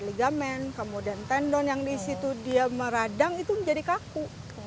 ligamen kemudian tendon yang di situ dia meradang itu menjadi kaku